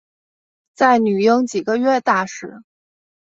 在女婴几个月大时